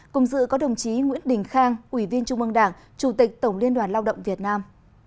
cùng dự có đồng chí nguyễn đình khang ủy viên trung mương đảng chủ tịch tổng liên đoàn lao động việt nam